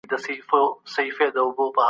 دا مسله باید په پښتو کي په رښتیني توګه حل سي.